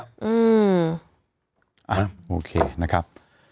อ้าวโอเคนะครับ